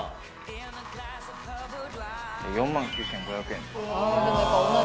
４万９５００円。